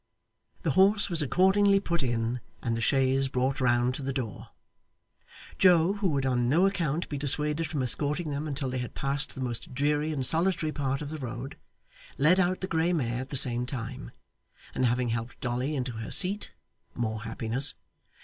The horse was accordingly put in, and the chaise brought round to the door. Joe, who would on no account be dissuaded from escorting them until they had passed the most dreary and solitary part of the road, led out the grey mare at the same time; and having helped Dolly into her seat (more happiness!)